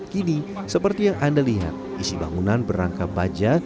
kini seperti yang anda lihat isi bangunan berangka baja